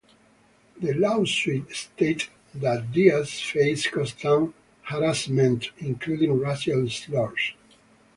The lawsuit stated that Diaz faced constant harassment including racial slurs.